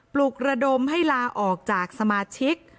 ลุกระดมให้ลาออกจากสมาชิก